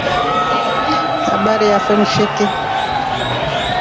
Habari yafo mshiki.